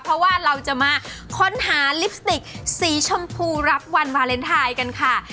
เพราะว่าเราจะมาค้นหาลิปสติกสีชมพูรับวันวาเลนไทยกันค่ะ